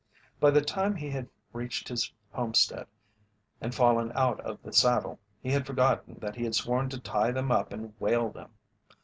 By the time he had reached his homestead and fallen out of the saddle, he had forgotten that he had sworn to tie them up and "whale" them.